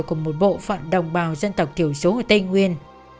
của một bộ phận đồng bào dân tộc thiểu số ở tây nguyên